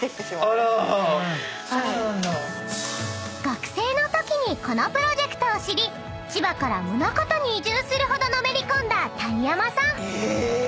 ［学生のときにこのプロジェクトを知り千葉から宗像に移住するほどのめり込んだ谷山さん］